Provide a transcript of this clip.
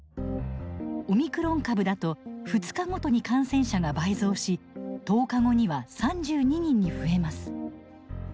オミクロン株だと２日ごとに感染者が倍増し１０日後には３２人に増えます。